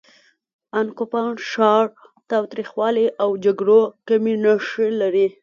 ان کوپان ښار تاوتریخوالي او جګړو کمې نښې لري.